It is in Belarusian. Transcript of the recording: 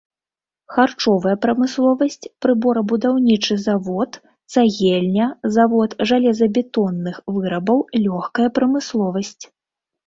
Харчовая прамысловасць, прыборабудаўнічы завод, цагельня, завод жалезабетонных вырабаў, лёгкая прамысловасць.